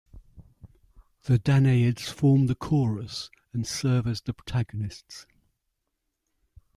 The Danaids form the chorus and serve as the protagonists.